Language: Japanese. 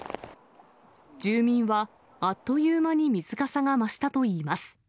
住民はあっという間に水かさが増したといいます。